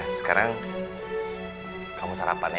sekarang kamu sarapan ya